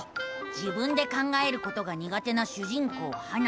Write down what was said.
自分で考えることがにが手な主人公ハナ。